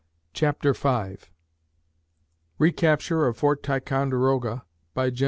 CHAPTER V RECAPTURE OF FORT TICONDEROGA BY GEN.